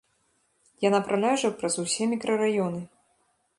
Яна праляжа праз усе мікрараёны.